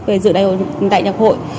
về dự đại nhạc hội